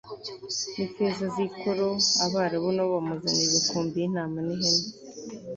nifeza zikoro Abarabu na bo bamuzanira imikumbi yintama nihene